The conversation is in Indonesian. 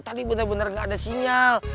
tadi bener bener gak ada sinyal